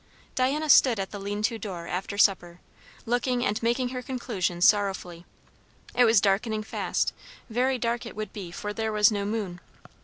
Diana stood at the lean to door after supper, looking and making her conclusions sorrowfully. It was darkening fast; very dark it would be, for there was no moon.